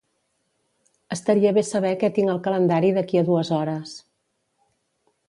Estaria bé saber què tinc al calendari d'aquí a dues hores.